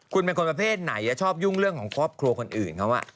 คุณเป็นคนประเภทไหนชอบยุ่งเรื่องของครอบครัวคนอื่นเขา